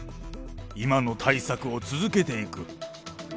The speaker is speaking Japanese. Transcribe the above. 今の対策を続けていく。